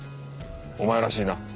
お前らしいな。